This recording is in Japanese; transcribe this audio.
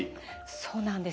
そうなんです。